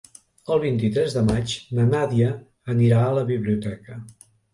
El vint-i-tres de maig na Nàdia anirà a la biblioteca.